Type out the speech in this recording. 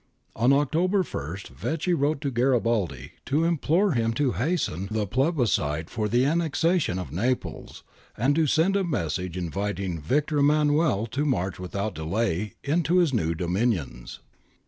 On October i Vecchi wrote to Garibaldi to implore him to hasten the plebiscite for the annexation of Naples, and to send a message inviting Victor Emmanuel to march without delay into his new dominions.